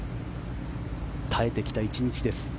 耐えてきた１日です。